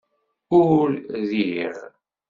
Ur riɣ